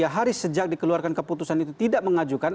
tiga hari sejak dikeluarkan keputusan itu tidak mengajukan